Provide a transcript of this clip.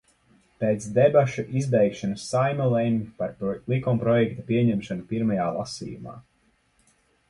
Pēc debašu izbeigšanas Saeima lemj par likumprojekta pieņemšanu pirmajā lasījumā.